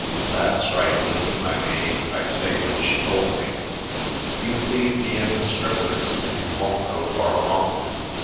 ' That's right, Lizzie, my maid,' I say when she told me, ' you b'lieve me and the Scriptur's and you won't go far wrong.'